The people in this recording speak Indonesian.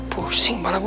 pusing malah gue